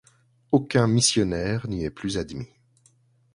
Aucun missionnaire n'y est plus admis.